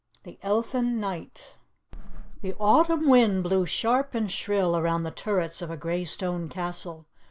THE ELFIN KNIGHT The autumn wind blew sharp and shrill around the turrets of a grey stone castle.